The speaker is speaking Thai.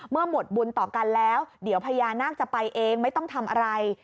เมื่อหมดบุญต่อกันแล้วเดี๋ยวพญานาคจะไปเองไม่ต้องทำอะไร